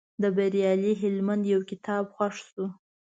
د بریالي هلمند یو کتاب خوښ شو.